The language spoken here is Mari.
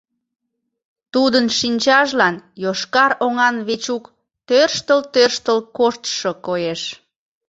Тудын шинчажлан йошкар оҥан Вечук тӧрштыл-тӧрштыл коштшо коеш.